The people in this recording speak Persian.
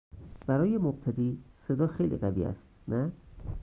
برای مبتدی صدا خیلی قوی است، نه؟